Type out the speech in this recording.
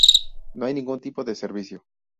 No hay ningún tipo de servicio.